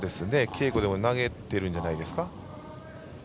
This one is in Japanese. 稽古でも投げているんじゃないですか。